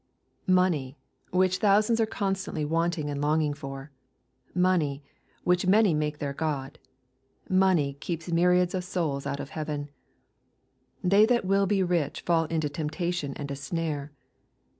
Money, which, thousands are constantly wanting and longing for, — money^.which many make their god^ — nioney keeps myriads of souls out of heaYen 1 " They that will be rich fall into temptation and a snare."